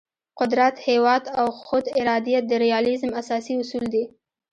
قدرت، هیواد او خود ارادیت د ریالیزم اساسي اصول دي.